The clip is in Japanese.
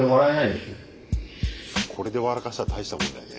これで笑かしたら大したもんだよね。